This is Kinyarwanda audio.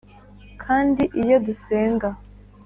kandi iyo dusenga